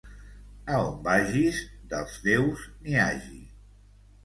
A on vagis, dels teus n'hi hagi.